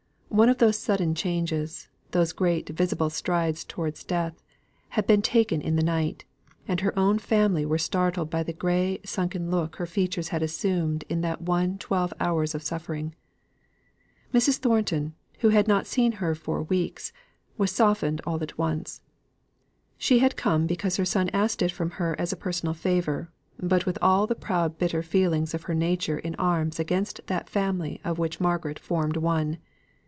One of those sudden changes those great visible strides towards death, had been taken in the night, and her own family were startled by the gray sunken look her features had assumed in that one twelve hours of suffering. Mrs. Thornton who had not seen her for weeks was softened all at once. She had come because her son asked it from her as a personal favour, but with all the proud bitter feelings of her nature in arms against that family of which Margaret formed one.